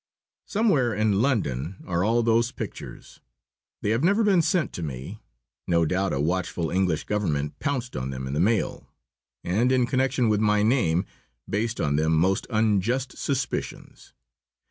Somewhere in London are all those pictures. They have never been sent to me. No doubt a watchful English government pounced on them in the mail, and, in connection with my name, based on them most unjust suspicions.